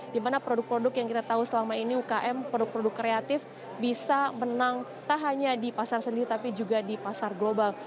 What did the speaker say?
dimana produk produk yang kita tahu selama ini ukm produk produk kreatif bisa menang tak hanya di pasar sendiri tapi juga di pasar global